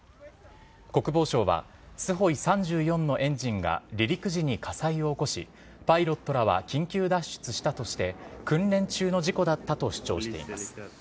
国防省は、スホイ３４のエンジンが離陸時に火災を起こし、パイロットらは緊急脱出したとして、訓練中の事故だったと主張しています。